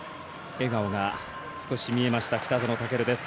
笑顔が少し見えました北園丈琉です。